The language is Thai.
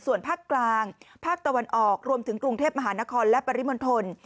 ส่วนภาคกลางภาคตะวันออกรวมถึงกรุงเทพมหานครและปริมณฑล